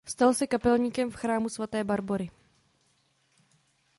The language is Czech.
Stal se kapelníkem v chrámu svaté Barbory.